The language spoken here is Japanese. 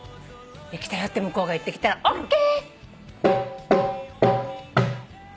「できたよ」って向こうが言ってきたら「ＯＫ！」